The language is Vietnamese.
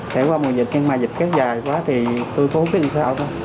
thể qua mùa dịch nhưng mà dịch kết dài quá thì tôi cũng không biết làm sao